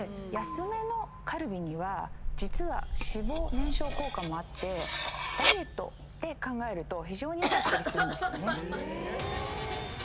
実は脂肪燃焼効果もあってダイエットって考えると非常に良かったりするんですよね。